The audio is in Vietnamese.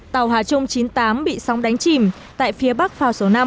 tàu hà trung chín mươi tám bị sóng đánh chìm tại phía bắc phao số năm